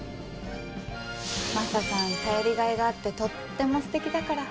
マサさん頼りがいがあってとってもすてきだから。